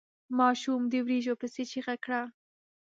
ماشوم د وريجو پسې چيغه کړه.